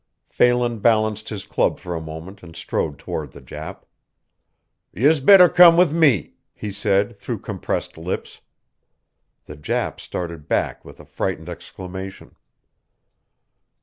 Phelan balanced his club for a moment and strode toward the Jap. "Yez better come with me," he said through compressed lips. The Jap started back with a frightened exclamation.